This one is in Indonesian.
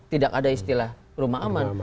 tidak ada istilah rumah aman